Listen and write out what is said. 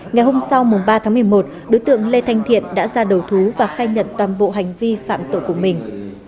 ngày hôm sau ba tháng một mươi một đối tượng lê thanh thiện đã ra đầu thú và khai nhận toàn bộ hành vi phạm tội của mình